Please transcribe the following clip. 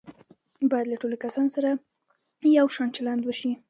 باید له ټولو کسانو سره یو شان چلند وشي.